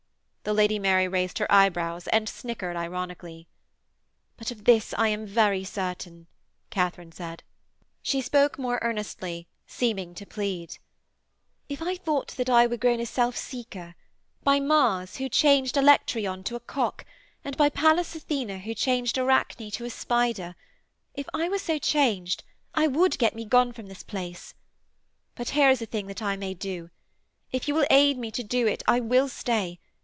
The Lady Mary raised her eyebrows and snickered ironically. 'But of this I am very certain,' Katharine said. She spoke more earnestly, seeming to plead: 'If I thought that I were grown a self seeker, by Mars who changed Alectryon to a cock, and by Pallas Athene who changed Arachne to a spider if I were so changed, I would get me gone from this place. But here is a thing that I may do. If you will aid me to do it I will stay.